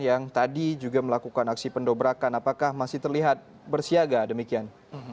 yang tadi juga melakukan aksi pendobrakan apakah masih terlihat bersiaga demikian